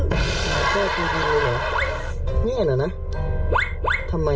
แม่ตีดินเหรอแม่น่ะนะทำไม